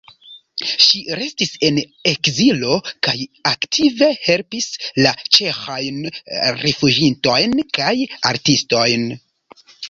Ŝi restis en ekzilo kaj aktive helpis la ĉeĥajn rifuĝintojn kaj artistojn.